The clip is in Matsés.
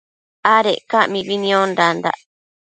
Adec ca mibi niondandac